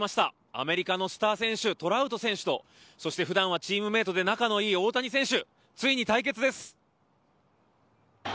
アメリカのスター選手トラウト選手とそして普段はチームメートで仲のいい大谷選手、ついに対決です。